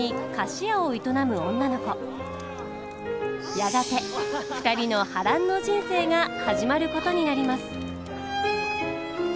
やがて２人の波乱の人生が始まることになります。